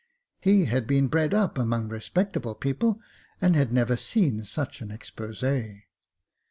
He had been bred up among respectable people, and had never seen such an expose.